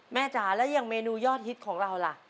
จ๋าแล้วอย่างเมนูยอดฮิตของเราล่ะ